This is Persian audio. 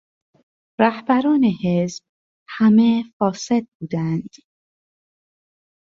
رهبران حزب همه فاسد بودند.